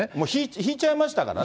ひいちゃってましたからね。